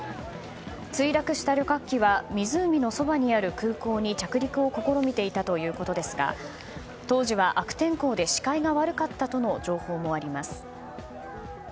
墜落した旅客機は湖のそばにある空港に着陸を試みていたということですが当時は悪天候で視界が悪かったとの情報もあります。